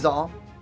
có thể thấy rõ